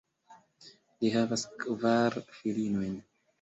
Li havas kvar filinojn.